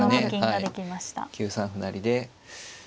９三歩成で。